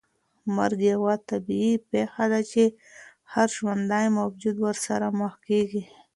مرګ یوه طبیعي پېښه ده چې هر ژوندی موجود ورسره مخ کېږي.